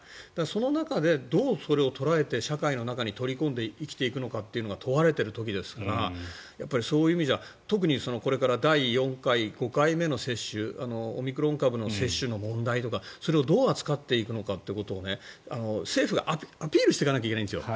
その中でどうそれを捉えて社会の中に取り込んで生きていくのかが問われている時ですからそういう意味じゃ特にこれから第４回、５回目の接種オミクロン株の接種の問題とかそれをどう扱っていくのかってことを政府がアピールしていかなきゃいけないんですよ。